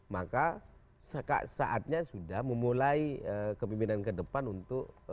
maka saatnya sudah memulai kepimpinan ke depan untuk